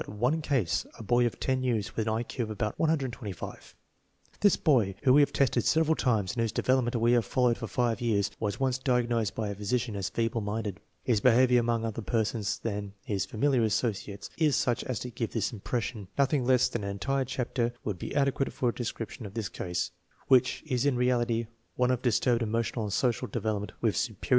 one case, a boy of 10 years with an I Q of about 125. This boy, whom we have tested several times and whose development we have fol lowed for five years, was once diagnosed by a physician as feeble minded. His behavior among other persons than bis familiar associates is such as to give this impression. Nothing less than an entire chapter would be adequate for a description of this case, which is in reality one of dis turbed emotional and social development with superior intelligence.